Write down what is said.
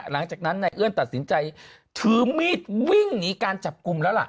หลังจากนั้นนายเอื้อนตัดสินใจถือมีดวิ่งหนีการจับกลุ่มแล้วล่ะ